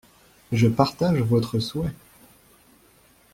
Je partage votre souhait.